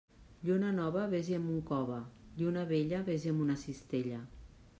Lluna nova, vés-hi amb un cove; lluna vella, vés-hi amb una cistella.